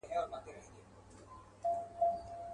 چي كرلې يې لمبې پر ګرګينانو.